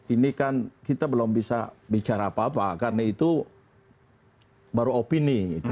ini kan kita belum bisa bicara apa apa karena itu baru opini